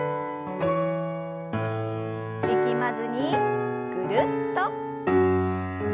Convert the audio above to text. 力まずにぐるっと。